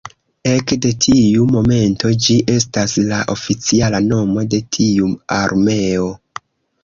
Ekde tiu momento ĝi estas la oficiala nomo de tiu armeo.